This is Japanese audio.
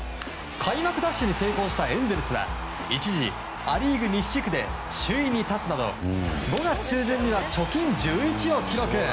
開幕ダッシュに成功したエンゼルスは一時、ア・リーグ西地区で首位に立つなど５月中旬には貯金１１を記録。